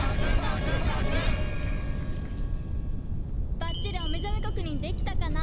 ばっちりおめざめ確認できたかな？